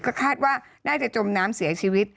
ก็คาดว่าน่าจะจมน้ำเสียชีวิต